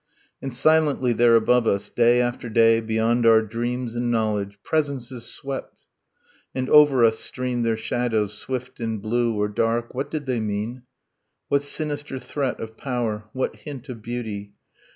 And silently there above us Day after day, beyond our dreams and knowledge, Presences swept, and over us streamed their shadows, Swift and blue, or dark. ... What did they mean? What sinister threat of power? What hint of beauty?